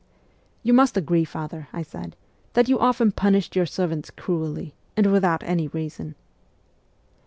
' You must agree, father,' I said, ' that you often punished your servants cruelly, and without any reason.'